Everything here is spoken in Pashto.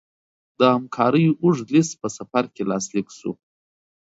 د همکاریو اوږد لېست په سفر کې لاسلیک شو.